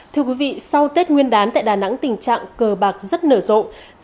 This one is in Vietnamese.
thưa quý vị sau tết nguyên đán tại đà nẵng tình trạng cờ bạc rất nở rộ